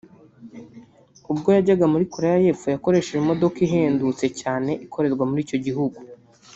ubwo yajyaga muri Koreya y’Epfo yakoresheje imodoka ihendutse cyane ikorerwa muri icyo gihugu